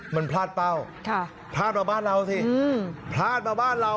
มันพลาดเป้าพลาดมาบ้านเราสิพลาดมาบ้านเรา